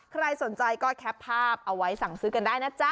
ใครสนใจก็แคปภาพเอาไว้สั่งซื้อกันได้นะจ๊